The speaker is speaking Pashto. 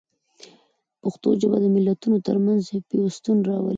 پښتو ژبه د ملتونو ترمنځ پیوستون راولي.